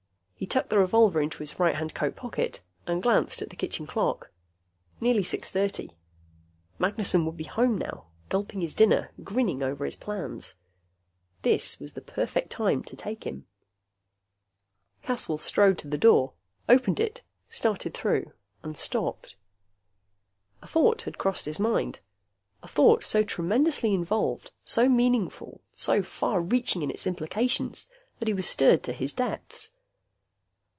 He tucked the revolver into his right hand coat pocket and glanced at the kitchen clock. Nearly six thirty. Magnessen would be home now, gulping his dinner, grinning over his plans. This was the perfect time to take him. Caswell strode to the door, opened it, started through, and stopped. A thought had crossed his mind, a thought so tremendously involved, so meaningful, so far reaching in its implications that he was stirred to his depths.